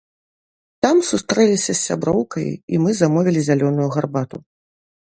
Там сустрэліся з сяброўкай і мы замовілі зялёную гарбату.